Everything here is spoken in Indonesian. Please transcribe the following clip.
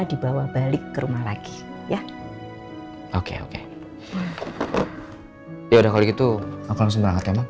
dibawa balik ke rumah lagi ya oke oke ya udah kalau gitu aku langsung berangkat ya